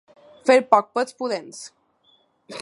Fer pocs pets pudents.